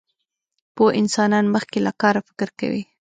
پوه انسان مخکې له کاره فکر کوي.